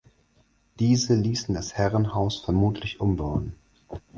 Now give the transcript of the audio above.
Diese ließen das Herrenhaus vermutlich umbauen.